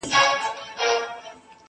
کومه ورځ به وي چي هر غم ته مو شاسي.!